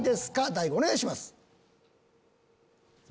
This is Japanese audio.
大悟お願いします。